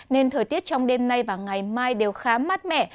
nên thời tiết trong đêm nay và ngày mai đều khá mát mẻ